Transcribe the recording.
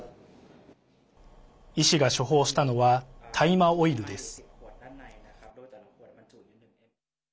医師が処方したのは大麻オイルです。